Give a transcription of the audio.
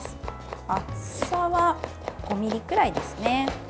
厚さは５ｍｍくらいですね。